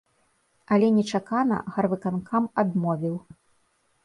Але нечакана гарвыканкам адмовіў.